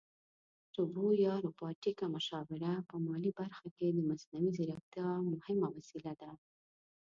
روبو یا روباټیکه مشاوره په مالي برخه کې د مصنوعي ځیرکتیا مهمه وسیله ده